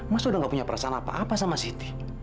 mas sudah nggak punya perasaan apa apa sama siti